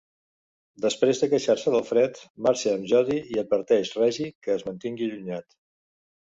Després de queixar-se del fred, marxa amb Jody i adverteix Reggie que es mantingui allunyat.